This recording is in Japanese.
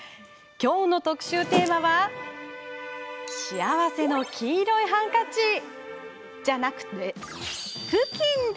今日の特集テーマは幸せの黄色いハンカチじゃなくて、ふきん。